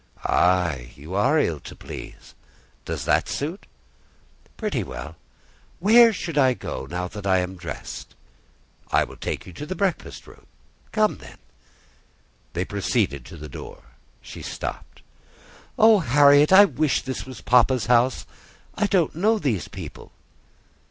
"Ay, you are ill to please. Does that suit?" "Pretty well. Where should I go now that I am dressed?" "I will take you into the breakfast room." "Come, then." They proceeded to the door. She stopped. "Oh! Harriet, I wish this was papa's house! I don't know these people."